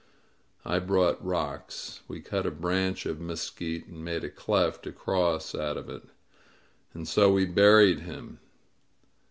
I brought rocks* We cut a branch of mesquite and made a cleft cross out of it. And so we buried him.